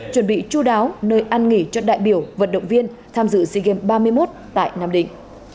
chuẩn bị chú đáo nơi ăn nghỉ cho đại biểu vận động viên tham dự sea games ba mươi một tại nam định